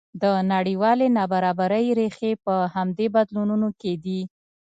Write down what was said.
د نړیوالې نابرابرۍ ریښې په همدې بدلونونو کې دي.